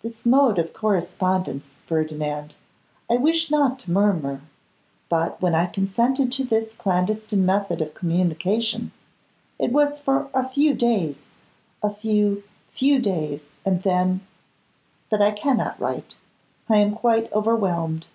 This mode of correspondence, Ferdinand, I wish not to murmur, but when I consented to this clandestine method of communication, it was for a few days, a few, few days, and then But I cannot write. I am quite overwhelmed.